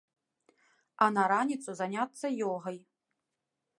А на раніцу заняцца ёгай.